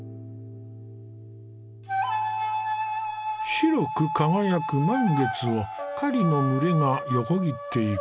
白く輝く満月を雁の群れが横切っていく。